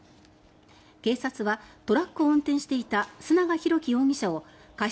警察はトラックを運転していた須永浩基容疑者を過失